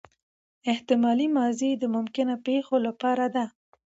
احتمالي ماضي د ممکنه پېښو له پاره ده.